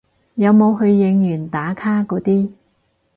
有冇去應援打卡嗰啲